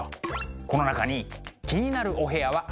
この中に気になるお部屋はありますか？